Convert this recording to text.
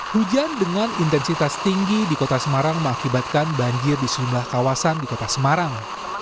hujan dengan intensitas tinggi di kota semarang mengakibatkan banjir di sejumlah kawasan di kota semarang